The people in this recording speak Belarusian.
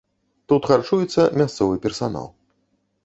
Тут харчуецца мясцовы персанал.